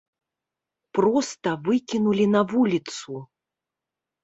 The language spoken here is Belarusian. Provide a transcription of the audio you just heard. Проста выкінулі на вуліцу.